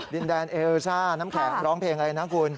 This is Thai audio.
ดินแดนเอลซ่าน้ำแข็งร้องเพลงอะไรนะคุณ